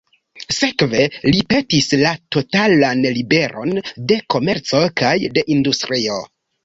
Sekve, li petis la totalan liberon de komerco kaj de industrio.